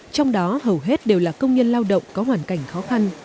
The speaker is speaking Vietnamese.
trong đó hầu hết đều là công nhân lao động có hoàn cảnh khó khăn